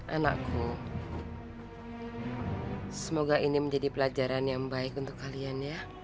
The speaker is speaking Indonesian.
anakku semoga ini menjadi pelajaran yang baik untuk kalian ya